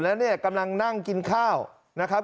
แล้วเนี่ยกำลังนั่งกินข้าวนะครับ